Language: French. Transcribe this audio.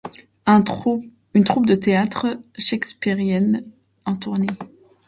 Une troupe de théâtre shakespearien en tournée.